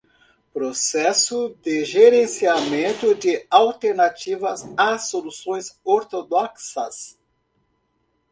Processo de gerenciamento de alternativas às soluções ortodoxas